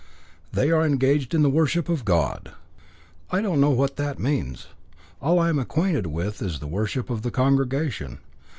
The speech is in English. "They are engaged in the worship of God." "I don't know what that means. All I am acquainted with is the worship of the congregation.